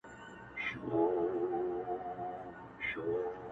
• مُلا خپور کړی د جهل جال دی -